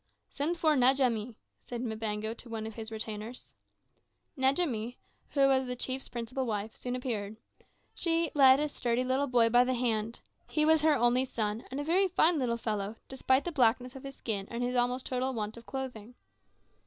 "Send for Njamie," said Mbango to one of his retainers. Njamie, who was the chief's principal wife, soon appeared. She led a sturdy little boy by the hand. He was her only son, and a very fine little fellow, despite the blackness of his skin and his almost total want of clothing.